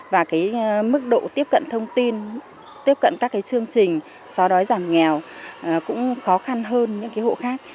và cái mức độ tiếp cận thông tin tiếp cận các cái chương trình xóa đói giảm nghèo cũng khó khăn hơn những cái hộ khác